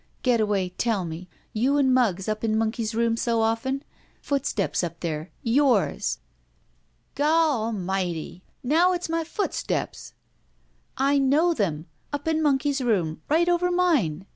Getaway, tell me, you and Muggs up in Monkey's room so often? Footsteps up there! Yours!" "Gawalmighty! Now it's my footsteps !" "I know them! Up in Monkey's room, right over mine.